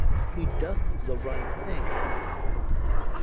He doth the right thing.